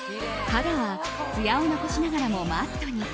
肌はつやを残しながらもマットに。